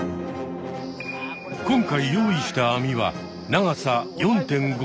今回用意した網は長さ４．５ｍ。